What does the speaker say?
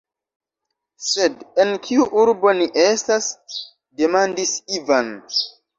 Sed en kiu urbo ni estas?demandis Ivan.